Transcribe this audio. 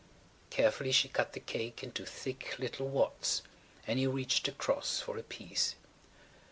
... Carefully she cut the cake into thick little wads and he reached across for a piece.